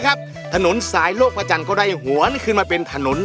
ถนนสายโลกประจันทร์ก็ได้หัวนี่ขึ้นมาเป็นถนน